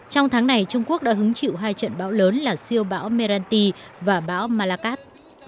trong tháng này trung quốc đã hứng chịu hai trận bão lớn là siêu bão meranti và bão malakat